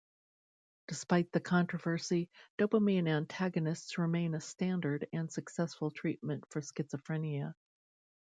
Despite the controversy, dopamine antagonists remain a standard and successful treatment for schizophrenia.